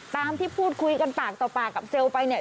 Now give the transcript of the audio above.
ตามที่พูดคุยกันปากต่อปากกับเจลไปเนี่ย